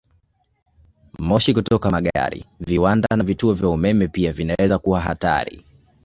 Moshi kutoka magari, viwanda, na vituo vya umeme pia vinaweza kuwa hatari.